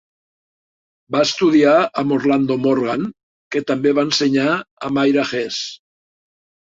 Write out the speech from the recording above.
Va estudiar amb Orlando Morgan, que també va ensenyar a Myra Hess.